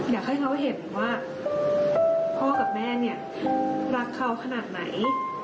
อยากให้เขาเห็นว่าพ่อกับแม่เนี่ยรักเขาขนาดไหน